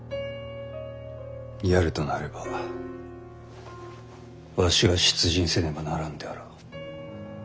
やるとなればわしが出陣せねばならぬであろう。